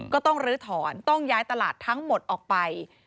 ก็ต้องลื้อถอนต้องย้ายตลาดทั้งหมดออกไป